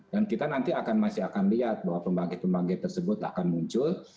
dan kita nanti masih akan lihat bahwa pembagi pembagi tersebut akan muncul